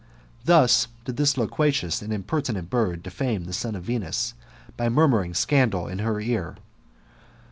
Thus did this loquacious and impertinent bird defame the son of Venus, by murmuring scandal in her ear.